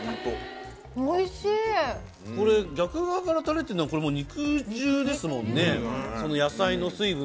これ、逆側からたれてるのはこれ、もう肉汁ですもんね。